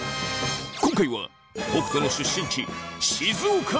今回は北斗の出身地静岡県。